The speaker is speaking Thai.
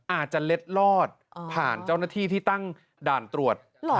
อาจจะเล็ดลอดผ่านเจ้าหน้าที่ที่ตั้งด่านตรวจ